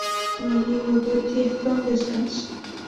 Mi amiga Dottie, ¿dónde estás?